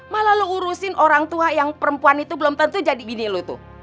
malah lo urusin orang tua yang perempuan itu belum tentu jadi gini loh tuh